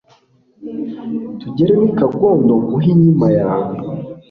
tugere n' i kagondo nguhe inkima yawe